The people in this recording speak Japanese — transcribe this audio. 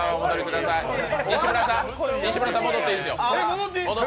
西村さん、戻っていいですよ。